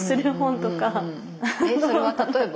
それは例えば？